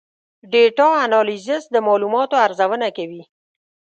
ډیټا انالیسز د معلوماتو ارزونه کوي.